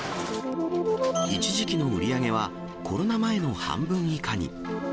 一時期の売り上げは、コロナ前の半分以下に。